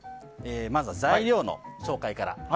まず材料の紹介から。